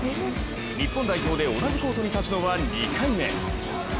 日本代表で同じコートに立つのは２回目。